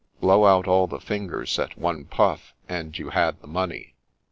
Blow out all the fingers at one puff and you had the money.